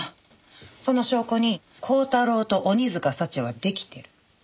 その証拠に鋼太郎と鬼束祥はデキてる。